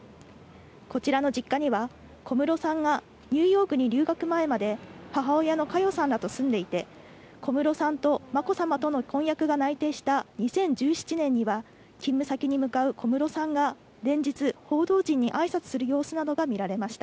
こちらの実家には、小室さんがニューヨークに留学前まで母親の佳代さんらと住んでいて、小室さんとまこさまとの婚約が内定した２０１７年には、勤務先に向かう小室さんが連日、報道陣にあいさつする様子などが見られました。